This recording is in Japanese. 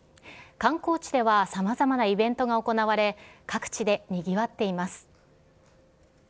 観光地ではさまざまなイベントが行われ、各地でにぎわっています。